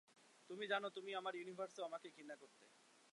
তুমি জানো, তুমি আমার ইউনিভার্সেও আমাকে ঘৃণা করতে।